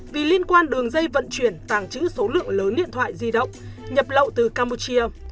vì liên quan đường dây vận chuyển tàng trữ số lượng lớn điện thoại di động nhập lậu từ campuchia